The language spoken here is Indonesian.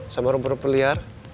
sama rumpur rumpur liar